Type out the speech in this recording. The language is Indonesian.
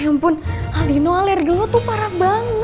ya ampun aldino alergen lo tuh parah banget